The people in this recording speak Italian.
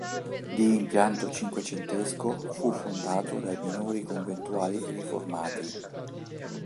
Di impianto cinquecentesco, fu fondato dai Minori Conventuali Riformati.